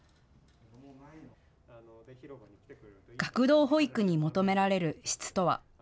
学童保育に求められる質とは。